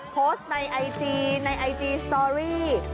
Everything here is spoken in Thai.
โพสต์ในไอจีในไอจีสตอรี่